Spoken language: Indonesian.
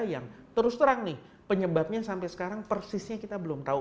yang terus terang nih penyebabnya sampai sekarang persisnya kita belum tahu